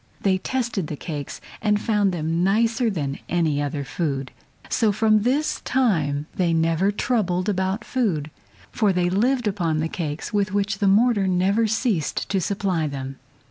They tasted the cakes and found them nicer than any other food. So from this time they never troubled about food, for they lived upon the cakes with which the mortar never ceased to supply them.